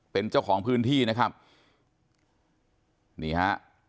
เป็นเจ้าของพื้นที่นะครับนี่ฮะ